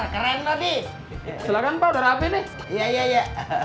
keren tadi silakan pak udah rame nih iya iya iya